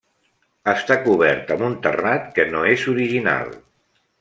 Està cobert amb un terrat, que no és original.